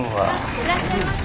いらっしゃいませ。